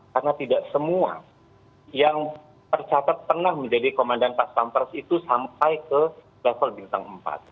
karena tidak semua yang tercatat pernah menjadi komandan pas pampres itu sampai ke level bintang empat